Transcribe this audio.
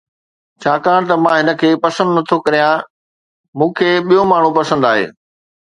ڇاڪاڻ ته مان هن کي پسند نٿو ڪريان، مون کي ٻيو ماڻهو پسند آهي